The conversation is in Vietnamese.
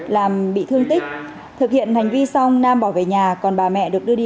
làm bị thương tích thực hiện hành vi xong nam bỏ về nhà còn bà mẹ được đưa đi